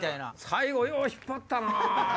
最後よう引っ張ったな。